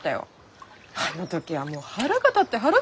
あの時はもう腹が立って腹が立って！